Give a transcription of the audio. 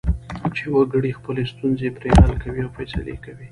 چې وګړي خپلې ستونزې پرې حل کوي او فیصلې کوي.